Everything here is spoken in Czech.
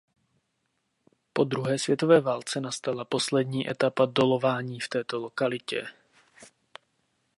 Po druhé světové válce nastala poslední etapa dolování v této lokalitě.